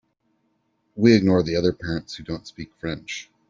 We ignore the other parents who don’t speak French.